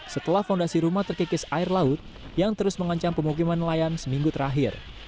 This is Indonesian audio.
setelah fondasi rumah terkikis air laut yang terus mengancam pemukiman nelayan seminggu terakhir